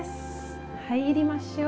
入りましょう！